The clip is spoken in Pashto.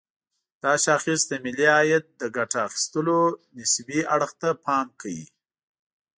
دا شاخص د ملي عاید د ګټه اخيستلو نسبي اړخ ته پام کوي.